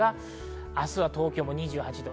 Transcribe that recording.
明日は東京は２８度。